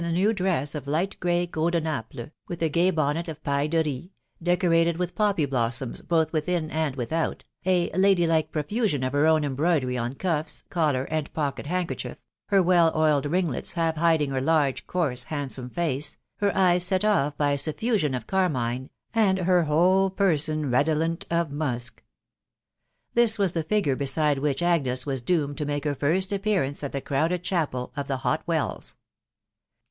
a new dress of light grey gros de Naples, with a gay bonnet of jhmJJs de ria, •decorated with poppy blossom* both within and without, a (C ladylike" profusion of her own embroidery on cuffs, collar, and pocket handkerchief, her well oiled ringlets half hiding her large, coarse, handsome face, her eyes set off by a iuifeaion of ■carmine, end her whole person redolent of musk. This wms the figure betide which Au>\ei ma ta»B*&>»i 160 THE WIDOW BARNABY. make her first appearance at the crowded chapel of the Hot Wells.